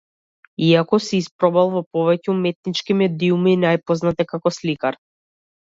Иако се испробал во повеќе уметнички медиуми, најпознат е како сликар.